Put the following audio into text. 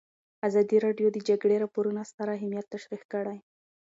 ازادي راډیو د د جګړې راپورونه ستر اهميت تشریح کړی.